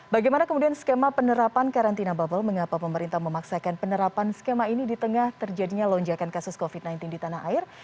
bagaimana kemudian skema penerapan karantina bubble mengapa pemerintah memaksakan penerapan skema ini di tengah terjadinya lonjakan kasus covid sembilan belas di tanah air